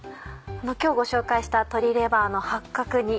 今日ご紹介した「鶏レバーの八角煮」